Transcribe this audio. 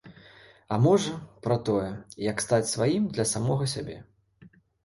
А можа, пра тое, як стаць сваім для самога сябе.